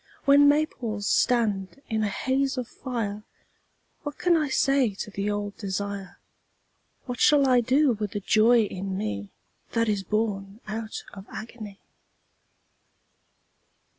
When maples stand in a haze of fire What can I say to the old desire, What shall I do with the joy in me That is born out of agony?